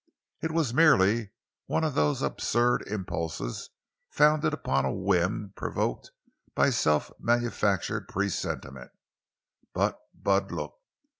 It was merely one of those absurd impulses founded upon a whim provoked by self manufactured presentiment—but Bud looked.